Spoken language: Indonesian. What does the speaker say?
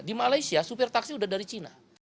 di malaysia supir taksi sudah dari cina